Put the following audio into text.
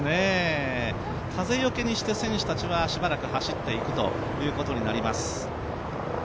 風よけにして選手たちはしばらく走っていくということになります。